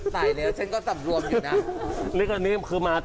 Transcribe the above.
ตายแล้วฉันก็ซำรวมอยู่นะ